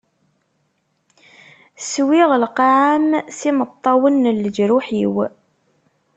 Swiɣ lqaɛa-m s yimeṭṭawen n leǧruḥ-iw.